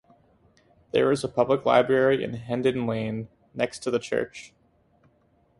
There is a public library in Hendon Lane, next to the church.